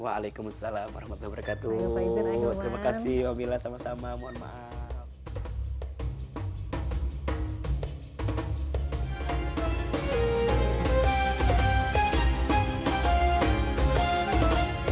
waalaikumsalam warahmatullahi wabarakatuh